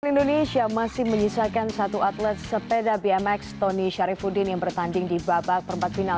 indonesia masih menyisakan satu atlet sepeda bmx tony sharifudin yang bertanding di babak perempat final